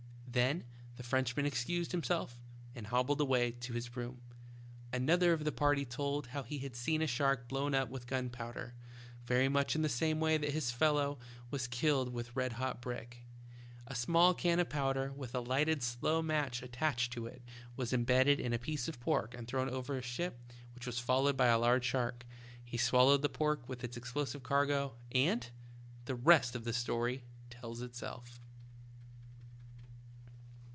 Then the Frenchman excused himself and hob bled away to his room. Another of the party told how he had seen a shark blown up with gunpow der, very much in the same way that his fellow was killed with red hot brick. A small can of pow^der, with a lighted slow match attached to it, was imbedded in a piece of pork and thrown over from a ship which was followed by a large shark. He swallowed the pork with its explosive cargo, and— the rest of the story tells itself.